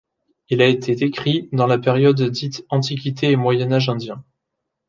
Il a été écrit dans la période dite Antiquité et Moyen Âge indien.